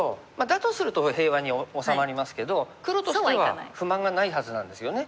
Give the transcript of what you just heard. だとすると平和に治まりますけど黒としては不満がないはずなんですよね。